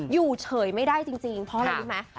อยู่เฉยไม่ได้จริงเพราะอะไรรู้ไหม